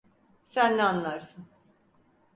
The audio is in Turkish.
Sen ne anlarsın?